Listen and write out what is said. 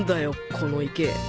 この池